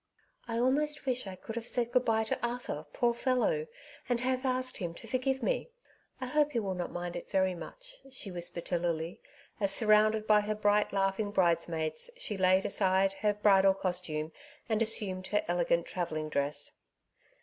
^^I almost wish I could have said good bye to Arthur, poor fellow, and have asked him to forgive me. I hope he will not mind it very much," she whispered to Lily, as surrounded by her brigh!: laughing bridesmaids she laid aside her bridal costume and assumed her elegant travelling dress.